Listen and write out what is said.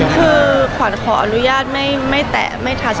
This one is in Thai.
คือขวัญขออนุญาตไม่แตะไม่ชัด